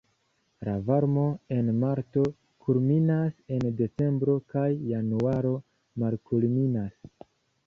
La varmo en marto kulminas, en decembro kaj januaro malkulminas.